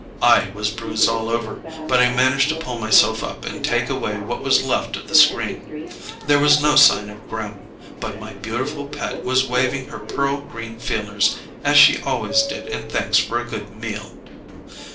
I was bruised all over, but I managed to pull myself up and take away what was left of the screen. There was no sign of Gremm, but my beautiful pet was waving her pearl green feelers as she always did in thanks for a good meal.